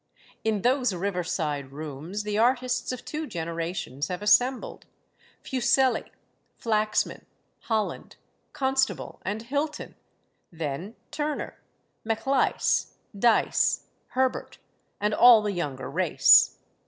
In those river side rooms the artists of two generations have assembled Fuseli, Flaxman, Holland, Constable, and Hilton then Turner, Maclise, Dyce, Herbert, and all the younger race.